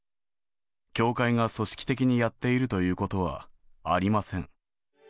教会が組織的にやっているということはありません。